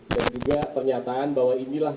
dan juga pernyataan bahwa ini lah